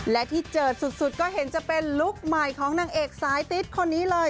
และที่เจอสุดก็เห็นจะเป็นลุคใหม่ของนางเอกสายติ๊ดคนนี้เลย